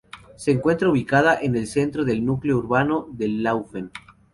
Se encuentra ubicada en el centro del núcleo urbano de Laufen.